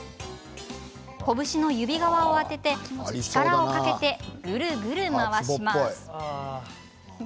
こぶしの指側を当てて力をかけてぐるぐる回します。